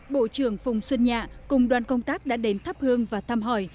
bộ trưởng phùng xuân nhạ cùng đoàn công tác đã đến thắp hương và thăm hỏi